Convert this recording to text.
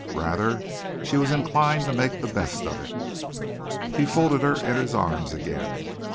Rather she was inclined to make the best of it. He folded her in his arms again.